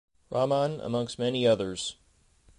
Rahman amongst many others.